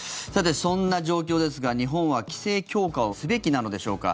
そんな状況ですが日本は規制強化をすべきなのでしょうか。